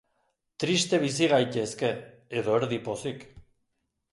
Triste bizi gaitezke, edo erdi-pozik.